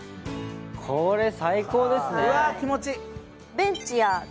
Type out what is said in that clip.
これ、最高ですね。